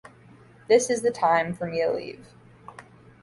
This is the time for me to leave.